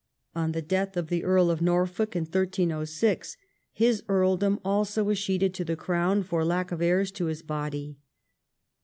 On the death of the Earl of Norfolk in 1306 his earldom also escheated to the crown for lack of heirs to his body.